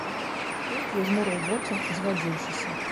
Той прыжмурыў вочы, згадзіўшыся.